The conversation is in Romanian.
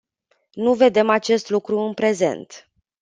Nu vedem acest lucru în prezent.